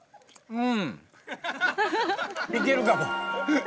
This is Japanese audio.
うん。